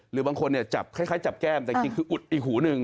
หรือบางคนคล้ายจับแก้มแต่จริงอุดอีกหูนึง